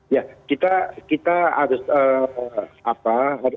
ya kita harus apa